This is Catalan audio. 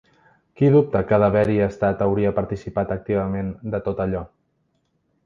Qui dubta que d’haver-hi estat hauria participat activament de tot allò?